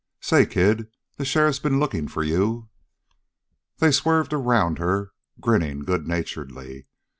Say, kid, the sheriff's been looking for you." They swerved around her, grinning good naturedly.